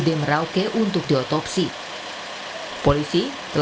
cemburu terhadap suami ini